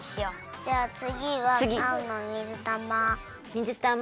じゃあつぎはあおのみずたま。